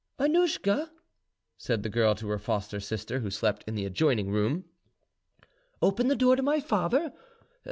"Annouschka!" said the girl to her foster sister, who slept in the adjoining room, "open the door to my father.